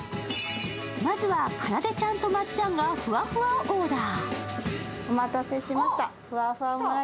まずはかなでちゃんとまっちゃんがふわふわをオーダー。